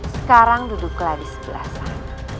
sekarang duduklah di sebelah sana